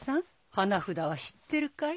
花札は知ってるかい？